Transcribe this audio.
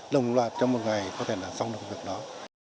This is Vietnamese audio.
đồng loạt trong một ngày có thể là xong được việc đó